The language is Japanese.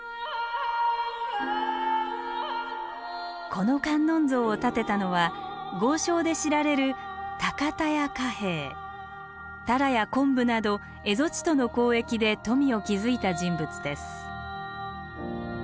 この観音像を建てたのは豪商で知られるタラや昆布など蝦夷地との交易で富を築いた人物です。